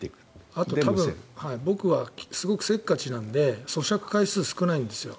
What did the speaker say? あと多分僕はすごくせっかちなのでそしゃく回数、少ないんですよ。